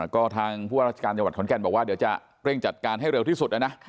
ก็ทางผู้ว่าราชการจังหวัดขอนแก่นบอกว่าเดี๋ยวจะเร่งจัดการให้เร็วที่สุดนะนะ